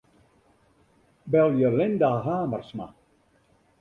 Belje Linda Hamersma.